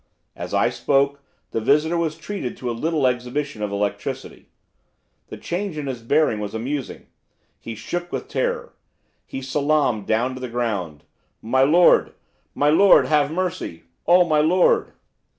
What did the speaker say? As I spoke the visitor was treated to a little exhibition of electricity. The change in his bearing was amusing. He shook with terror. He salaamed down to the ground. 'My lord! my lord! have mercy, oh my lord!